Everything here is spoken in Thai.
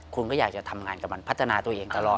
คุณก็อยากจะทำงานกับมันพัฒนาตัวเองตลอด